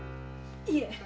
いえ。